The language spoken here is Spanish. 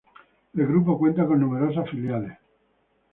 El grupo cuenta con numerosas filiales.